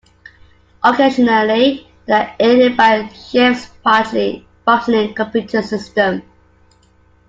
Occasionally, they are aided by the ship's partially functioning computer system.